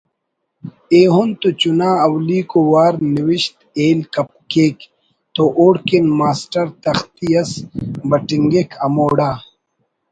ایہن تو چنا اولیکو وار نوشت ہیل کیک تو اوڑکن ماسٹر تختی اس بٹنگک ہموڑا